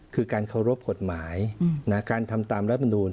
คือการเคารพกฎหมายการทำตามรัฐมนูล